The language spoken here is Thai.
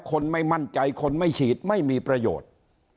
คนไม่มั่นใจคนไม่ฉีดไม่มีประโยชน์